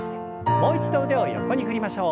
もう一度腕を横に振りましょう。